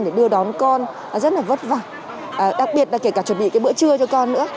để đưa đón con rất là vất vả đặc biệt là kể cả chuẩn bị cái bữa trưa cho con nữa